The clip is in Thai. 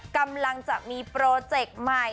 กำลังจะมีโปรเจคใหม่